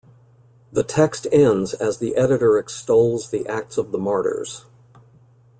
The text ends as the editor extols the acts of the martyrs.